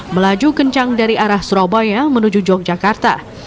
melaju kencang dari arah surabaya menuju yogyakarta